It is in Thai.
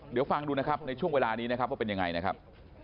เดี๋ยวฟังดูนะครับในช่วงเวลานี้นะครับว่าเป็นยังไงนะครับ